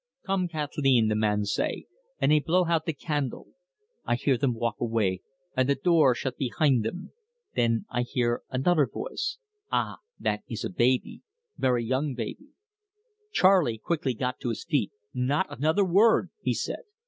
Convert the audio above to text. "'Come, Kat'leen!' the man say, an' he blow hout the candle. I hear them walk away, an' the door shut behin' them. Then I hear anudder voice ah, that is a baby very young baby!" Charley quickly got to his feet. "Not another word!" he said.